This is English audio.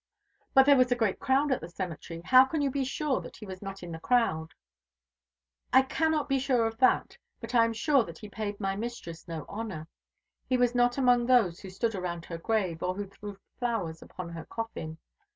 "But there was a great crowd at the cemetery. How can you be sure that he was not in the crowd?" "I cannot be sure of that; but I am sure that he paid my mistress no honour. He was not among those who stood around her grave, or who threw flowers upon her coffin.